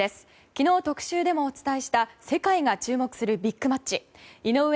昨日特集でもお伝えした世界が注目するビッグマッチ井上